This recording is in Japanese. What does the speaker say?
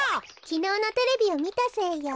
きのうのテレビをみたせいよ。